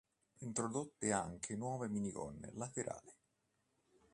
Introdotte anche nuove minigonne laterali.